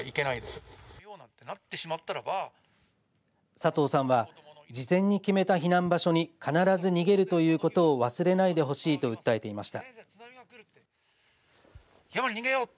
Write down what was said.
佐藤さんは事前に決めた避難場所に必ず逃げるということを忘れないでほしいと訴えていました。